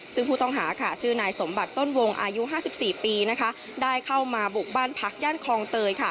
ซึ่งผู้ต้องหาชื่อนายสมบัติต้นวงอายุ๕๔ปีได้เข้ามาบุกบ้านพักย่านคลองเตย